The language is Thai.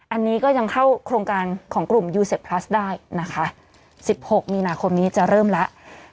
อันนี้ก็ยังเข้าโครงการของกลุ่มยูเซฟพลัสได้นะคะสิบหกมีนาคมนี้จะเริ่มแล้ว